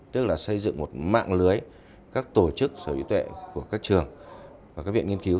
tức là xây dựng một mạng lưới các tổ chức sở hữu tuệ của các trường và các viện nghiên cứu